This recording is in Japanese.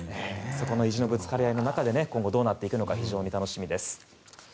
そこの意地のぶつかり合いの中で今後どうなっていくのか非常に楽しみです。